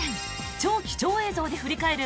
超貴重映像で振り返る